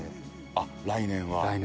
あっ、来年は。